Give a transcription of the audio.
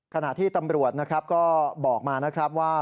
ขณะที่ตำรวจนะครับก็บอกมานะครับว่า